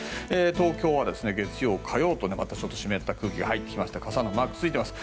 東京は月曜、火曜とまた湿った空気が入ってきまして傘のマークがついています。